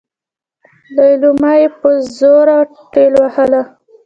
ليلما يې په زوره ټېلوهله.